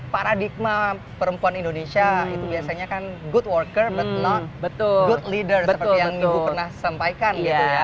paradigma perempuan indonesia itu biasanya kan good worker but not good leader seperti yang ibu pernah sampaikan